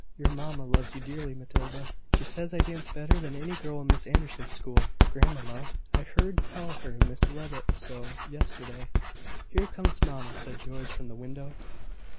Your mamma loves you dearly, Matilda." "She says I dance better than any girl in Miss Anderson's school, grandmamma. I heard her tell Mrs Levitt so, yesterday." "Here comes mamma," said George, from the window.